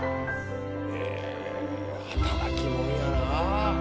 へえ働き者やなあ。